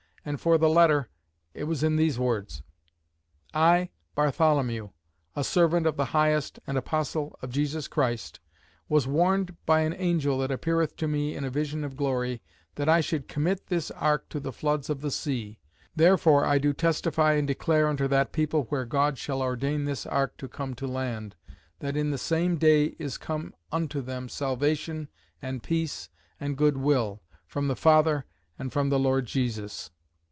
And for the Letter, it was in these words: "'I, Bartholomew, a servant of the Highest, and Apostle of Jesus Christ, was warned by an angel that appeareth to me, in a vision of glory, that I should commit this ark to the floods of the sea. Therefore I do testify and declare unto that people where God shall ordain this ark to come to land, that in the same day is come unto them salvation and peace and good will, from the Father, and from the Lord Jesus.'